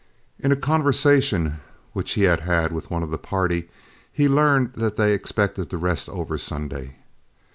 In a conversation which he had had with one of the party, he learned that they expected to rest over Sunday.